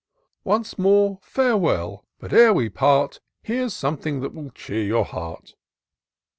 Once more, farewell! But ere we part, There's something that will cheer your heart."